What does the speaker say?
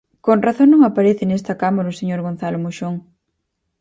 ¡Con razón non aparece nesta Cámara o señor Gonzalo Moxón!